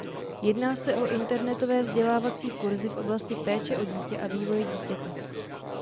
Jedná se o internetové vzdělávací kurzy v oblasti Péče o dítě a Vývoje dítěte.